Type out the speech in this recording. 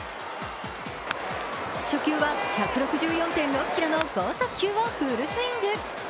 初球は１６４．６キロの剛速球をフルスイング。